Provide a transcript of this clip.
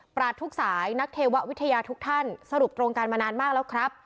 ราชทุกสายนักเทววิทยาทุกท่านสรุปตรงกันมานานมากแล้วครับ